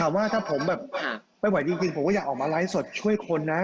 ว่าถ้าผมแบบไม่ไหวจริงผมก็อยากออกมาไลฟ์สดช่วยคนนะ